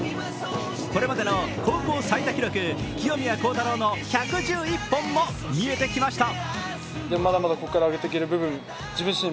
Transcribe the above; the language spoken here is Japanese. これまでの高校最多記録、清宮幸太郎の１１１本も見えてきました。